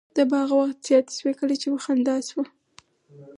دا به هغه وخت زیاتې شوې کله به چې په خندا شو.